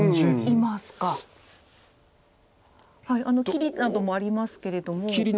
切りなどもありますけれども。